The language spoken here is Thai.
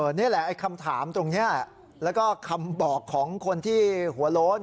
นี่แหละไอ้คำถามตรงนี้แล้วก็คำบอกของคนที่หัวโล้น